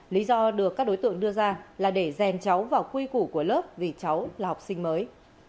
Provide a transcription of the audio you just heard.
lý do được các đối tượng đưa ra là để rèn cháu vào quy củ của lớp vì cháu là học sinh mới